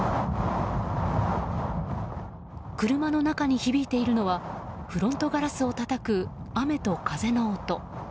車の中に響いているのはフロントガラスをたたく雨と風の音。